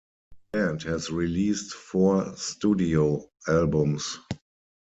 The band has released four studio albums.